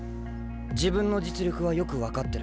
自分の実力はよく分かってる。